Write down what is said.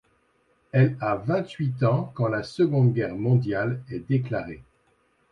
Elle a vingt-huit ans quand la Seconde Guerre mondiale est déclarée.